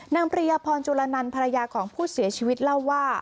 ปริยพรจุลนันภรรยาของผู้เสียชีวิตเล่าว่า